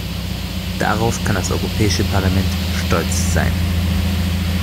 Darauf kann das Europäische Parlament stolz sein.